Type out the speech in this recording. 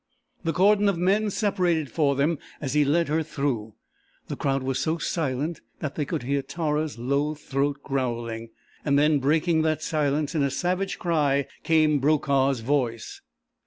The cordon of men separated for them as he led her through. The crowd was so silent that they could hear Tara's low throat growling. And then, breaking that silence in a savage cry, came Brokaw's voice.